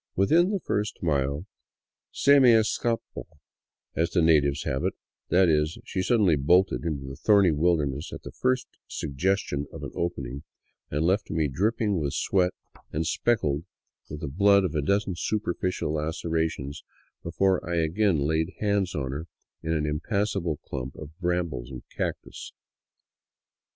Within the first mile " se me escapo," as the natives have it ; that is, she suddenly bolted into the thorny wilderness at the first suggestion of an opening, and left me dripping with sweat and speckled with the 248 APPROACHING INCA LAND blood of a dozen superficial lacerations before I again laid hands on her in an impassable clump of brambles and cactus.